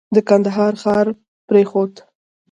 د کندهار ښار پرېښود.